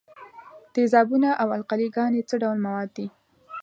تیزابونه او القلې ګانې څه ډول مواد دي؟